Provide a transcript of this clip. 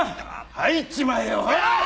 吐いちまえよおい！